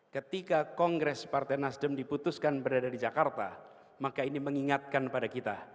ketika kongres partai nasdem diputuskan berada di jakarta maka ini mengingatkan pada kita